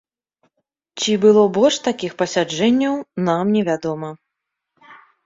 Ці было больш такіх пасяджэнняў, нам не вядома.